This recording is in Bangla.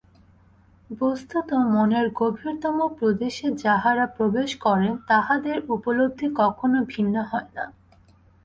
বস্তুত মনের গভীরতম প্রদেশে যাঁহারা প্রবেশ করেন, তাঁহাদের উপলব্ধি কখনও ভিন্ন হয় না।